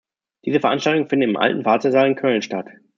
Diese Veranstaltungen finden im "Alten Wartesaal" in Köln statt.